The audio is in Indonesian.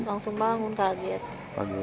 langsung bangun takut